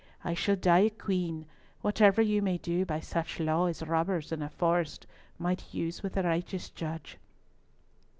I shall die a Queen, whatever you may do by such law as robbers in a forest might use with a righteous judge."